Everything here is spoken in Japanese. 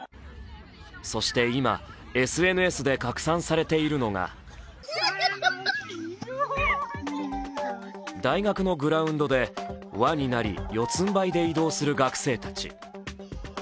そして今、ＳＮＳで拡散されているのが大学のグラウンドで、輪になり、四つんばいで移動する学生たち。